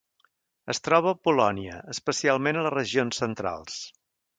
Es troba a Polònia, especialment a les regions centrals.